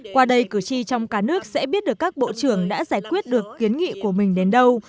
qua đây cử tri trong cả nước sẽ biết được các bộ trưởng đã giải quyết được kiến nghị của mình đến đâu